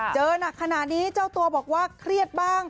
หนักขนาดนี้เจ้าตัวบอกว่าเครียดบ้าง